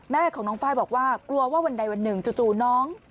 แม่ของน้องไฟล์บอกว่ากลัวว่าวันใดวันหนึ่งจู่น้อง